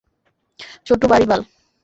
শুটু, বাড়ি বাল!